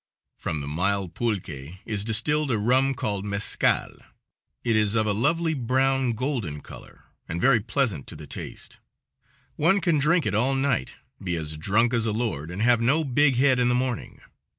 From the mild pulque is distilled a rum called mescal. It is of a lovely brown, golden color, and very pleasant to the taste. One can drink it all night, be as drunk as a lord, and have no big head in the morning.